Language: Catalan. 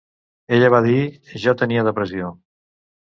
Ella va dir "jo tenia depressió".